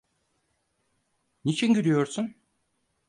Niçin gülüyorsun?